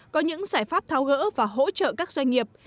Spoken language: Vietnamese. có những giải pháp tháo gỡ và hỗ trợ các doanh nghiệp